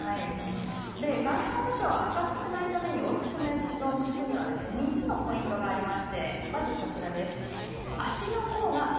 外反ぼしを悪化させないために、おすすめの靴には３つのポイントがあります。